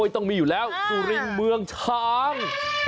ต้องมีอยู่แล้วสุรินทร์เมืองช้าง